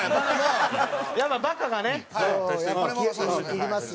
いりますよ。